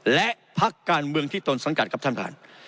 และพักการเมืองที่ตนสังกัดครับท่านประธาน